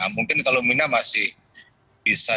mungkin kalau mina masih bisa